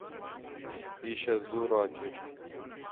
Îşev zû raket.